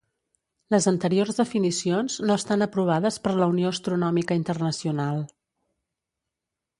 Les anteriors definicions no estan aprovades per la Unió Astronòmica Internacional.